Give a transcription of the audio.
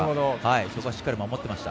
しっかり守っていました。